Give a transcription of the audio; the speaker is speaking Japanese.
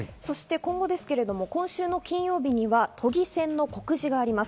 今後、今週の金曜日には都議選の告示があります。